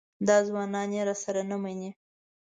دا ځوانان یې راسره نه مني.